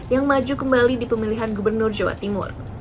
yang maju kembali di pemilihan gubernur jawa timur